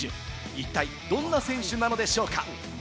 一体どんな選手なのでしょうか？